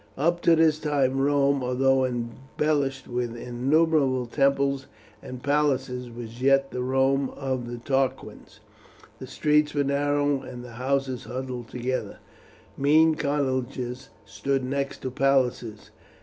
Up to this time Rome, although embellished with innumerable temples and palaces, was yet the Rome of the Tarquins. The streets were narrow, and the houses huddled together. Mean cottages stood next to palaces.